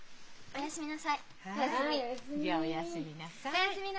・おやすみなさい。